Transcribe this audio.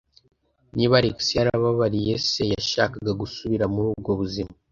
Niba Alex yarababariye se, yashaka gusubira muri ubwo buzima?